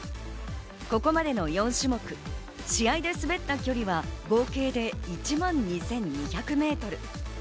ここまでの４種目、試合で滑った距離は合計で１万２２００メートル。